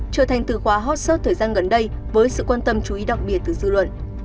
trở thành từ khóa hot search thời gian gần đây với sự quan tâm chú ý đặc biệt từ dư luận